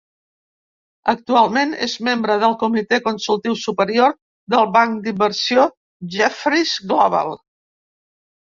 Actualment és membre del Comitè consultiu superior del banc d'inversió Jefferies' Global.